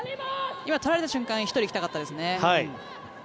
今、取られたあと１人行きたかったですね。